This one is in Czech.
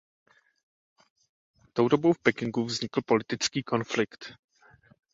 Tou dobou v Pekingu vznikl politický konflikt.